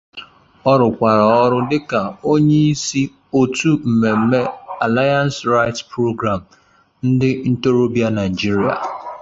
Ọ rụkwara ọrụ dịka onye isi otu mmemme Alliance Rights Programme ndị ntorobịa Naịjirịa.